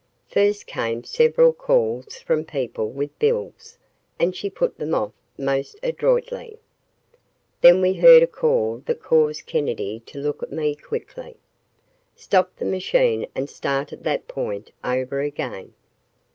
First came several calls from people with bills and she put them off most adroitly. Then we heard a call that caused Kennedy to look at me quickly, stop the machine and start at that point over again.